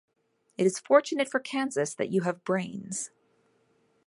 It is fortunate for Kansas that you have brains.